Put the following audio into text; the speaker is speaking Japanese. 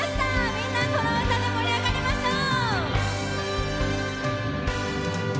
みんな、この歌で盛り上がりましょう！